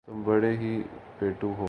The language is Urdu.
تم بڑے ہی پیٹُو ہو